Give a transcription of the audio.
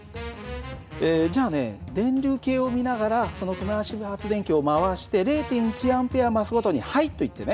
じゃあね電流計を見ながらその手回し発電機を回して０．１Ａ増すごとに「はい」と言ってね。